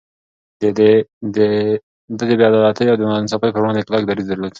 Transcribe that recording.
ده د بې عدالتۍ او ناانصافي پر وړاندې کلک دريځ درلود.